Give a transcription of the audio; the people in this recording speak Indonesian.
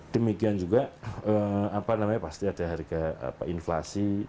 demikian juga pasti ada harga inflasi